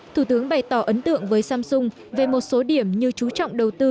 thủ tướng bày tỏ ấn tượng với samsung về một số điểm như chú trọng đầu tư